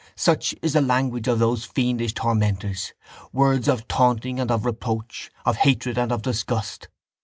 Such is the language of those fiendish tormentors, words of taunting and of reproach, of hatred and of disgust.